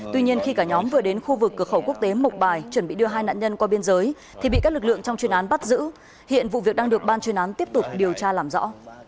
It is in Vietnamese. tuy nhiên khi cả nhóm vừa đến khu vực cửa khẩu quốc tế mộc bài chuẩn bị đưa hai nạn nhân qua biên giới thì bị các lực lượng trong chuyên án bắt giữ hiện vụ việc đang được ban chuyên án tiếp tục điều tra làm rõ